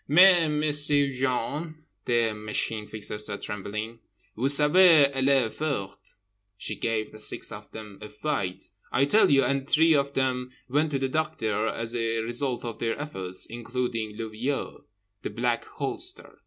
"Mais, M'sieu' Jean," the Machine Fixer said trembling, "Vous savez elle est forte. She gave the six of them a fight, I tell you. And three of them went to the doctor as a result of their efforts, including le vieux (The Black Holster).